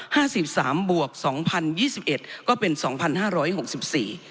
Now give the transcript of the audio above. สิบสามบวกสองพันยี่สิบเอ็ดก็เป็นสองพันห้าร้อยหกสิบสี่